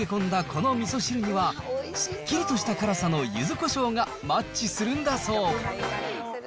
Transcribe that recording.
このみそ汁には、すっきりとした辛さのゆずこしょうがマッチするんだそう。